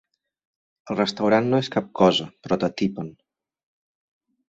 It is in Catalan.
El restaurant no és cap cosa, però t'atipen.